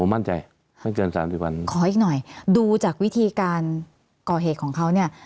มั่นใจไม่เกินสามสิบวันขออีกหน่อยดูจากวิธีการก่อเหตุของเขาเนี่ย